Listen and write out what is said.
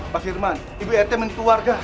pak firman ibu rt minta warga